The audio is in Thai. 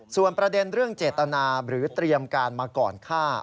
ส่วนประเด็นเรื่องเจตนาหรือเตรียมการมาก่อนฆ่า